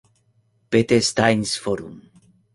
Pete Times Forum.